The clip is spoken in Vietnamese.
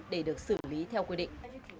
để được xử lý theo quy định